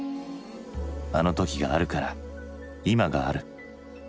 あの時があるから今がある。